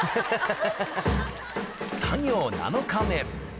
作業７日目。